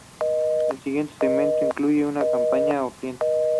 El siguiente segmento incluye una campaña o cliente.